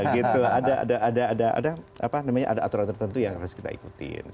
gitu ada ada ada apa namanya ada aturan tertentu yang harus kita ikutin